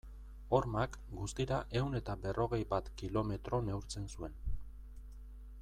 Hormak, guztira ehun eta berrogei bat kilometro neurtzen zuen.